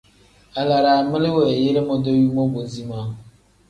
Alaraami li weeyele modoyuu mobo zimaa.